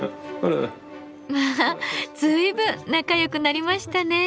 まあ随分仲良くなりましたね。